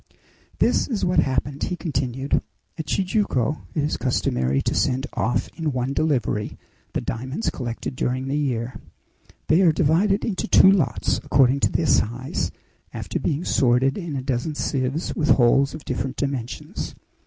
"This is what happened," he continued. "At Tijuco it is customary to send off in one delivery the diamonds collected during the year. They are divided into two lots, according to their size, after being sorted in a dozen sieves with holes of different dimensions.